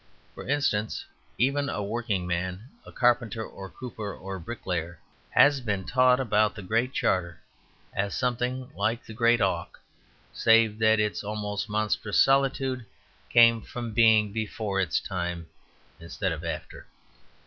For instance, even a working man, a carpenter or cooper or bricklayer, has been taught about the Great Charter, as something like the Great Auk, save that its almost monstrous solitude came from being before its time instead of after.